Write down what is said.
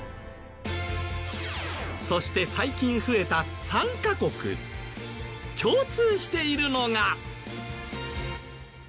そして最近増えた３カ国共通しているのが。